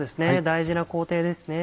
大事な工程ですね。